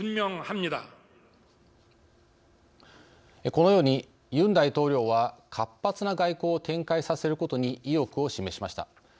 このように、ユン大統領は活発な外交を展開させることに意欲を示しました。